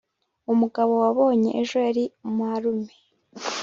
umugabo wabonye ejo yari marume